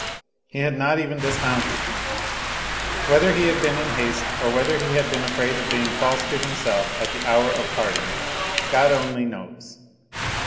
He had not even dismounted. ... Whether he had been in haste or whether he had been afraid of being false to himself at the hour of parting God only knows.